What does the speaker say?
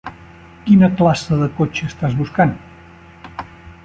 Quina classe de cotxe està buscant?